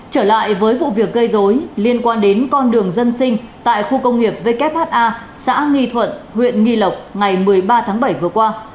trở lại với vụ việc gây dối liên quan đến con đường dân sinh tại khu công nghiệp wha xã nghi thuận huyện nghi lộc ngày một mươi ba tháng bảy vừa qua